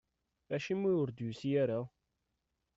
Acimi ur d-yusi ara?